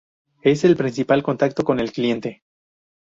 Es el principal contacto con el cliente.